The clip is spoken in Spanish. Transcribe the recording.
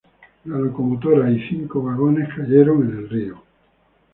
La locomotora cinco vagones cayeron en el río.